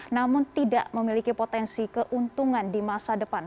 namun tidak memiliki potensi keuntungan di masa depan